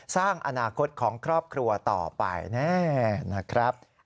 สร้างอนาคตของครอบครัวต่อไปแน่นะครับ